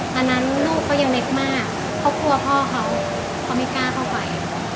ตอนนั้นลูกเขายังเล็กมากเขากลัวพ่อเขาเขาไม่กล้าเข้าไป